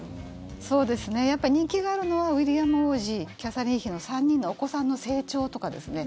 やっぱり人気があるのはウィリアム王子、キャサリン妃の３人のお子さんの成長とかですね